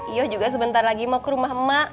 yo juga sebentar lagi mau ke rumah mak